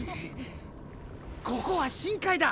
ここは深海だ！